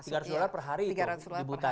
tiga ratus dollar per hari itu di butan